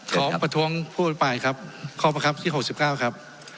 ขอประท้วงผู้บริปรายครับขอบพระครับที่หกสิบเก้าครับ